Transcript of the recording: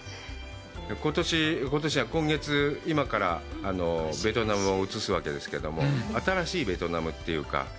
今月、今からベトナムを映すわけですけども、新しいベトナムというか。